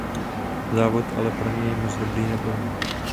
Závod ale pro něj moc dobrý nebyl.